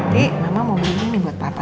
nanti mama mau beli mie buat papa